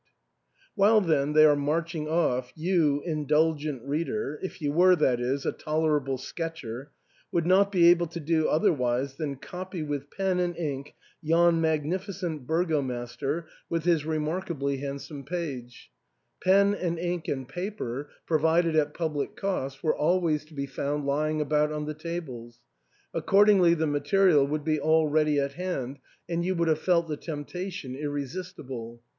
* While, then, they are marching off, you, indulgent reader, — if you were, that is, a tolerable sketcher, — would not be able to do otherwise than copy with pen and ink yon magnificent burgomaster with his remark ^ A broad street crossing Dantzic in an east to west directioi]. 314 ARTHUR*S HALL. ably handsome page. Pen and ink and paper^ provided at public cost, were always to be found lying about on the tables ; accordingly the material would be all ready at hand, and you would have felt the temptation irre sistible.